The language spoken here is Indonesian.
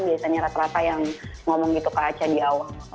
biasanya rata rata yang ngomong gitu ke aca di awal